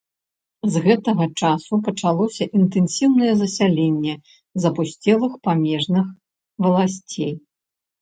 З гэтага часу пачалася інтэнсіўнае засяленне запусцелых памежных валасцей.